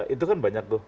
itu kan banyak tuh